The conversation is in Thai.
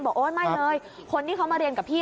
โอ๊ยไม่เลยคนที่เขามาเรียนกับพี่